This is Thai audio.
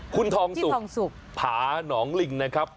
คุณทองสุกทองสุกผาหนองลิงนะครับ